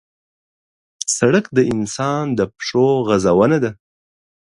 سړک د انسان د پښو غزونه ده.